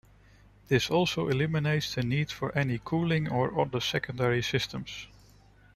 This also eliminates the need for any cooling or other secondary systems.